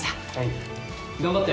頑張って！